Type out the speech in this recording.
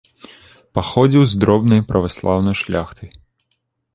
Паходзіў з дробнай праваслаўнай шляхты.